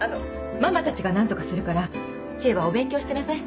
ママたちが何とかするから知恵はお勉強してなさい。